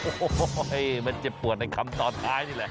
โอ้โหมันเจ็บปวดในคำตอนท้ายนี่แหละ